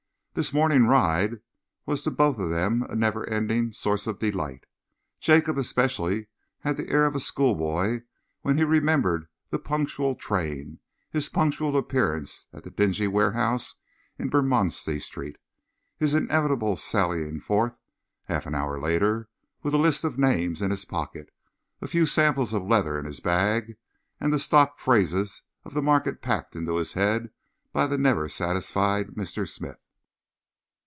This morning ride was to both of them a never ending source of delight. Jacob especially had the air of a schoolboy when he remembered the punctual train, his punctual appearance at the dingy warehouse in Bermondsey Street, his inevitable sallying forth, half an hour later, with a list of names in his pocket, a few samples of leather in his bag, and the stock phrases of the market packed into his head by the never satisfied Mr. Smith.